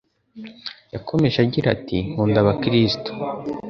Yakomeje agira ati nkunda aba kirisitu